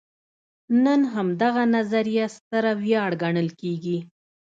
نن همدغه نظریه ستره ویاړ ګڼل کېږي.